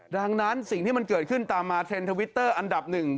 ดังนั้นสิ่งที่มันเกิดขึ้นตามมาเทรนด์ทวิตเตอร์อันดับหนึ่ง